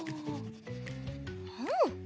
うん！